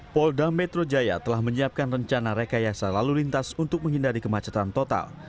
polda metro jaya telah menyiapkan rencana rekayasa lalu lintas untuk menghindari kemacetan total